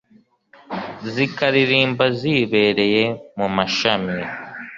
zikaririmba zibereye mu mashami